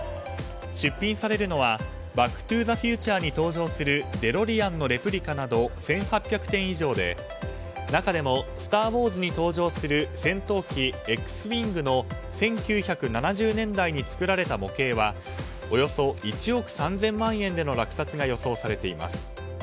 出品されるのは「バック・トゥ・ザ・フューチャー」に登場するデロリアンのレプリカなど１８００点以上で中でも「スター・ウォーズ」に登場する、戦闘機Ｘウイングの１９７０年代に作られた模型はおよそ１億３０００万円での落札が予想されています。